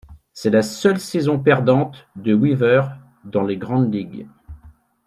C'est la seule saison perdante de Weaver dans les grandes ligues.